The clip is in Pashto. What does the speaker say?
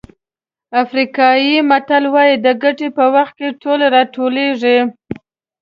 افریقایي متل وایي د ګټې په وخت ټول راټولېږي.